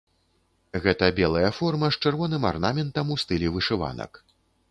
Гэта белая форма з чырвоным арнаментам у стылі вышыванак.